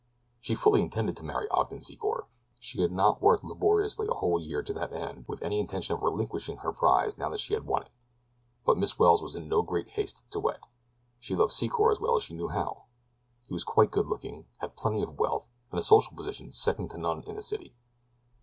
She fully intended to marry Ogden Secor. She had not worked laboriously a whole year to that end with any intention of relinquishing her prize now that she had won it; but Miss Welles was in no great haste to wed. She loved Secor as well as she knew how. He was quite good looking, had plenty of wealth, and a social position second to none in the city.